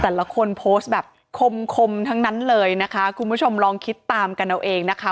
แต่ละคนโพสต์แบบคมคมทั้งนั้นเลยนะคะคุณผู้ชมลองคิดตามกันเอาเองนะคะ